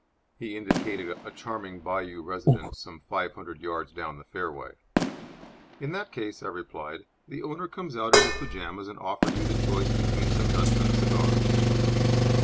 He indicated a charming bijou residence some five hundred yards down the fairway. "In that case," I replied, "the owner comes out in his pyjamas and offers you the choice between some nuts and a cigar."